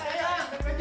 shaina ganti baju